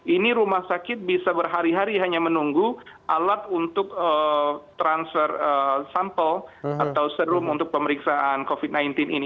ini rumah sakit bisa berhari hari hanya menunggu alat untuk transfer sampel atau serum untuk pemeriksaan covid sembilan belas ini